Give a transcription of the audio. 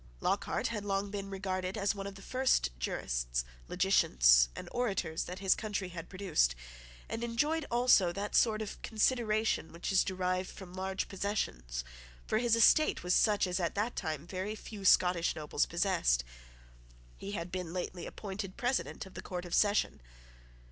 Lockhart had long been regarded as one of the first jurists, logicians, and orators that his country had produced, and enjoyed also that sort of consideration which is derived from large possessions; for his estate was such as at that time very few Scottish nobles possessed. He had been lately appointed President of the Court of Session.